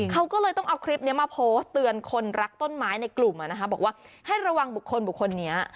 เขาก็เลยต้องเอาคลิปนี้มาโพสต์เตือนคนรักต้นไม้ในกลุ่มบอกว่าให้ระวังบุคคลบุคคลนี้